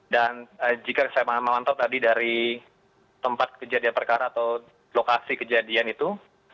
dan jika saya mengantuk tadi dari tempat kejadian perkara atau lokasi kejadian itu